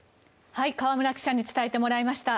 河村記者に伝えてもらいました。